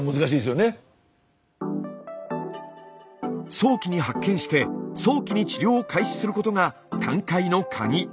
早期に発見して早期に治療を開始することが寛解の鍵。